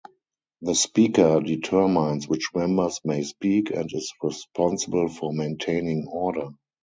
The speaker determines which members may speak, and is responsible for maintaining order.